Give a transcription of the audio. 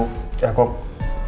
maksud saya kalau katrin sudah datang